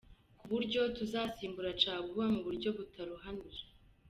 Ku buryo tuzasimbura caguwa mu buryo butaruhanije.